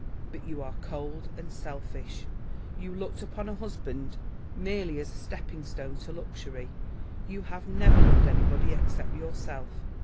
But you are cold and selfish; you looked upon a husband merely as a stepping stone to luxury; you have never loved anybody except yourself.